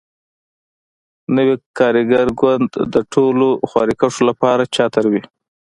نوی کارګر ګوند د ټولو خواریکښو لپاره چتر وي.